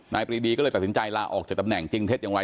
ปรีดีก็เลยตัดสินใจลาออกจากตำแหน่งจริงเท็จอย่างไร